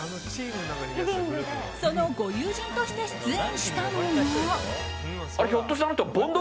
そのご友人として出演したのが。